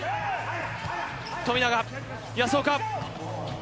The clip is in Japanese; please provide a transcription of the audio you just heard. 富永、保岡。